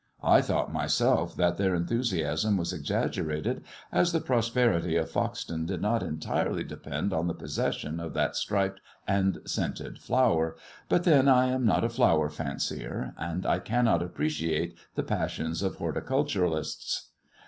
I thought myself that their enthusiasm was exaggerated, as the prosperity of Foxton did not entirely depend on the possession of that striped and scented flower ; but then I am not a flower fancier, and I cannot appreciate the passions of horti culturists.